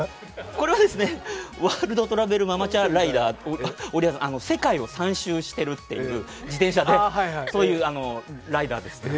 これはワールド・トラベル・ママチャライダー、折原さん、世界を３周しているっていう自転車で、そういうライダーです。